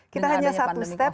kita hanya satu step